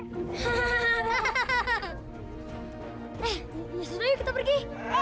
ya sudah ayo kita pergi